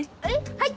はい。